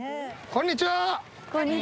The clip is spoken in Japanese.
こんにちは。